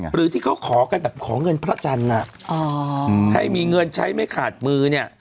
หรือที่เขาขอกันแบบขอเงินพระจันทร์ให้มีเงินใช้ไม่ขาดมือเนี่ย